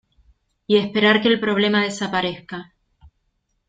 y esperar que el problema desaparezca.